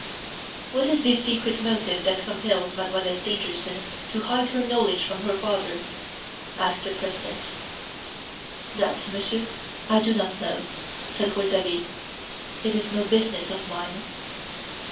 "What is this secret motive that compels Mademoiselle Stangerson to hide her knowledge from her father?" asked the President. "That, Monsieur, I do not know," said Rouletabille. "It is no business of mine."